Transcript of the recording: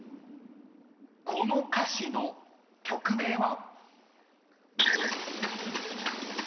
［この歌詞の曲名は？］